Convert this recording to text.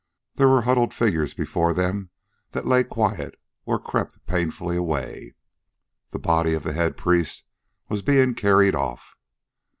There were huddled figures before them that lay quiet or crept painfully away. The body of the head priest was being carried off.